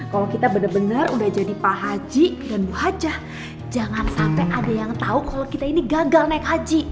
kalau kita benar benar udah jadi pak haji dan bu hajah jangan sampai ada yang tahu kalau kita ini gagal naik haji